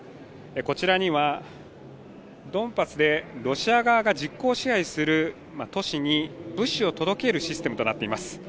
こちらにはドンバスでロシア側が実効支配する都市に物資を届けるシステムとなっています。